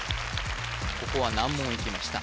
ここは難問をいきました